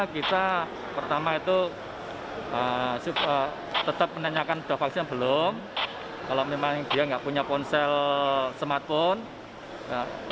kita pertama itu tetap menanyakan sudah vaksin belum kalau memang dia nggak punya ponsel smartphone